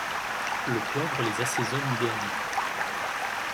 Le poivre les assaisonne idéalement.